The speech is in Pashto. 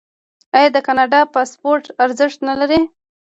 آیا د کاناډا پاسپورت ارزښت نلري؟